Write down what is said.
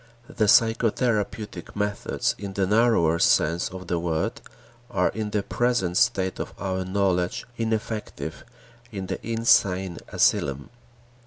The psychotherapeutic methods in the narrower sense of the word are in the present state of our knowledge ineffective in the insane asylum.